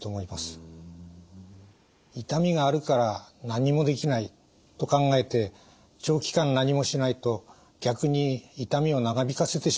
「痛みがあるから何もできない」と考えて長期間何もしないと逆に痛みを長引かせてしまいます。